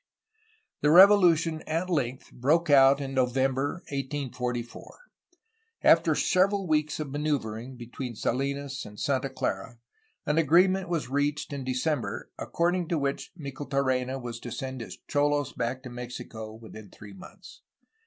The revolution at length broke out in November 1844. After several weeks of maneuvering between Salinas and Santa Clara, an agreement was reached in December, ac cording to which Micheltorena was to send his cholos back to Mexico within three months.